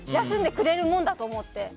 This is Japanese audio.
休んでくれるものだと思って。